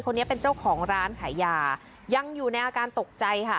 คนนี้เป็นเจ้าของร้านขายยายังอยู่ในอาการตกใจค่ะ